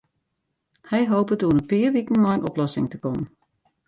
Hy hopet oer in pear wiken mei in oplossing te kommen.